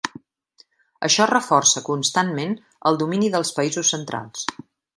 Això reforça constantment el domini dels països centrals.